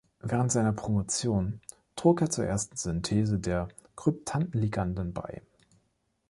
Während seiner Promotion trug er zur ersten Synthese der Kryptanden-Liganden bei.